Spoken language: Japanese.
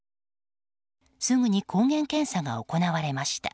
すぐに抗原検査が行われました。